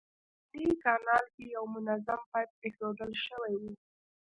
په شمالي کانال کې یو منظم پایپ اېښودل شوی و.